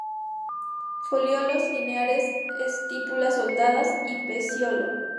Folíolos lineares; estípulas soldadas al pecíolo.